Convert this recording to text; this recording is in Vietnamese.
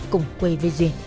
cùng quê với duyên